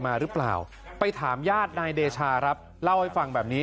มาหรือเปล่าไปถามญาตินายเดชาครับเล่าให้ฟังแบบนี้